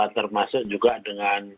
termasuk juga dengan